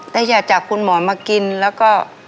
แต่อย่าจากคุณหมอมากินแล้วก็